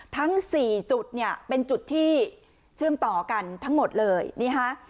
ทั้งสี่จุดเนี่ยเป็นจุดที่เชื่อมต่อกันทั้งหมดเลยนี่ฮะ